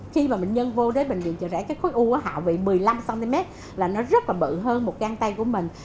khi mà bệnh nhân vô đến bệnh viện chợ rẫy cái khối u hạ vị một mươi năm cm là nó rất là bự hơn một găng tay của mình